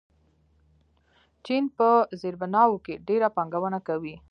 چین په زیربناوو کې ډېره پانګونه کوي.